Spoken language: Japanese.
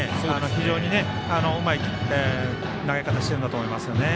非常にうまい投げ方してるんだと思います。